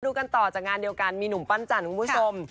กันต่อจากงานเดียวกันมีหนุ่มปั้นจันทร์คุณผู้ชม